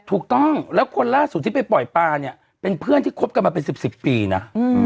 ถูกต้องแล้วคนล่าสุดที่ไปปล่อยปลาเนี่ยเป็นเพื่อนที่คบกันมาเป็น๑๐ปีนะ